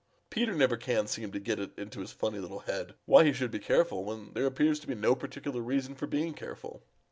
Peter never can seem to get it into his funny little head why he should be careful when there appears to be no particular reason for being careful.